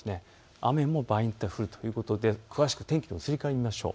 雨も場合によっては降るということで詳しく天気の移り変わりを見ましょう。